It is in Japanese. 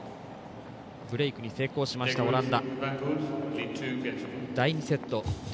ブレークに成功しましたオランダ。